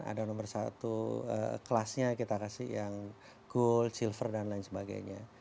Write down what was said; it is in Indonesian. ada nomor satu kelasnya kita kasih yang good silver dan lain sebagainya